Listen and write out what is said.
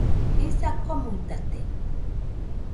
Jisa komuitate